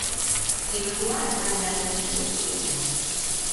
Atxilotua epailearen esku utzi dute.